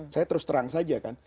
saya terus terang saja kan